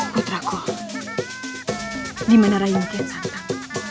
putraku dimana raya mungkin santan